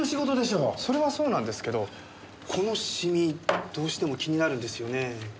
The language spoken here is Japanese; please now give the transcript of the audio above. それはそうなんですけどこの染みどうしても気になるんですよね。